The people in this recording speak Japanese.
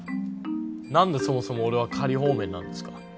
何でそもそも俺は仮放免なんですか？